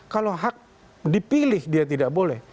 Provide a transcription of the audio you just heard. kalau hak dipilih dia tidak boleh